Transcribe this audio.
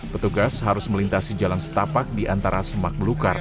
petugas harus melintasi jalan setapak di antara semak belukar